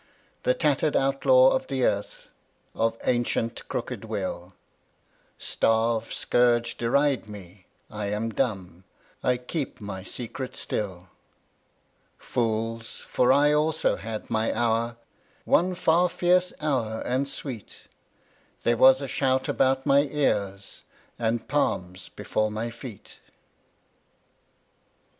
The tatter'd outlaw of the earth Of ancient crooked will Starve, scourge, deride me, I am dumb I keep my secret still. Fools! For I also had my hour; One far fierce hour and sweet: There was a shout about my ears, And palms before my feet.